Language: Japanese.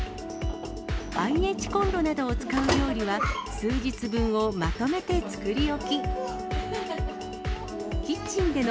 ＩＨコンロなどを使う料理は、数日分をまとめて作り置き。